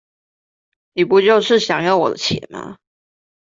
你不就是想要我的錢嗎?